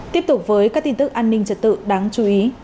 tiếp tục với các tin tức an ninh trật tự đáng chú ý